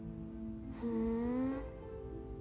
ふん。